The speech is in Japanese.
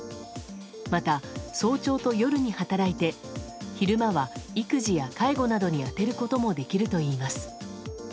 また、早朝と夜に働いて昼間は育児や介護などに充てることもできるといいます。